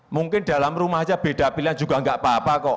mungkin dalam rumah saja beda pilihan juga nggak apa apa kok